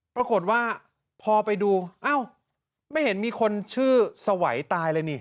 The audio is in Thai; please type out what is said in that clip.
ปรากฏว่าพอไปดูอ้าวไม่เห็นมีคนชื่อสวัยตายเลยนี่